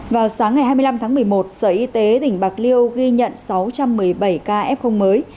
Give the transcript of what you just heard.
vào sáng ngày hai mươi năm tháng một mươi một sở y tế tỉnh bạc liêu ghi nhận sáu trăm một mươi bảy ca f mới